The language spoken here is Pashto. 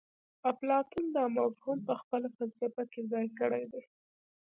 اپلاتون دا مفهوم په خپله فلسفه کې ځای کړی دی